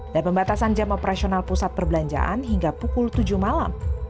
dan pembatasan jam operasional pusat perbelanjaan hingga pukul tujuh malam